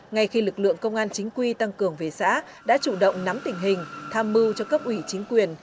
ngay khi lực lượng công an chính quy tăng cường về xã đã chủ động nắm tình hình tham mưu cho cấp ủy chính quyền